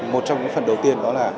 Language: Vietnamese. một trong những phần đầu tiên đó là